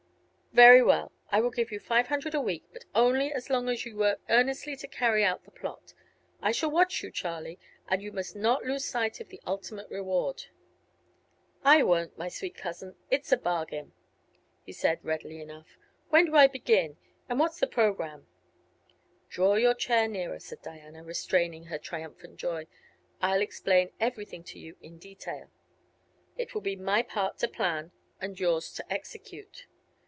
"Very well; I will give you five hundred a week; but only as long as you work earnestly to carry out the plot. I shall watch you, Charlie. And you must not lose sight of the ultimate reward." "I won't, my sweet cousin. It's a bargain," he said, readily enough. "When do I begin, and what's the program?" "Draw your chair nearer," said Diana, restraining her triumphant joy. "I'll explain everything to you in detail. It will be my part to plan, and yours to execute."